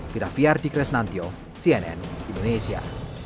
pira fyardi kresnantio cnn indonesia